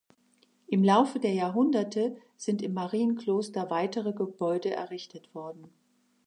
Im Laufe der Jahrhunderte sind im Marienkloster weitere Gebäude errichtet worden.